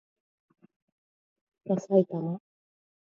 ださいたま